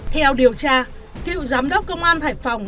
theo điều tra cựu giám đốc công an hải phòng